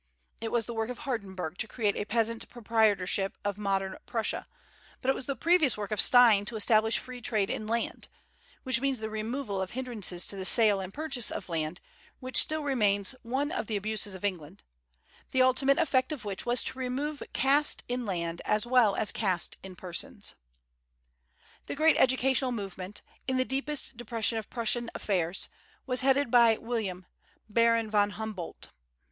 It was the work of Hardenberg to create the peasant proprietorship of modern Prussia; but it was the previous work of Stein to establish free trade in land, which means the removal of hindrances to the sale and purchase of land, which still remains one of the abuses of England, the ultimate effect of which was to remove caste in land as well as caste in persons. The great educational movement, in the deepest depression of Prussian affairs, was headed by William, Baron von Humboldt.